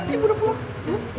ibu udah pulang